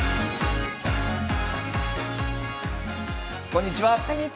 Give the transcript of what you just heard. こんにちは。